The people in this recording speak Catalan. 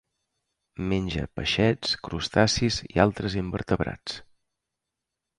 Menja peixets, crustacis i altres invertebrats.